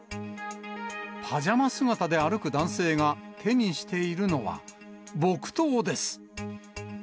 パジャマ姿で歩く男性が、手にしているのは、木刀です。